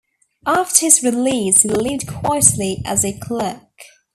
After his release he lived quietly as a clerk.